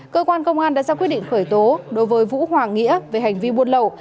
cơ quan công an đã ra quyết định khởi tố đối với vũ hoàng nghĩa về hành vi buôn lậu